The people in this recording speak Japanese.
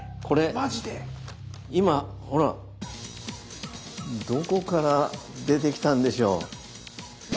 これ今ほらどこから出てきたんでしょう？